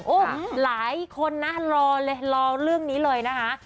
โอ้โหหลายคนนะรอเลยรอเรื่องนี้เลยนะคะ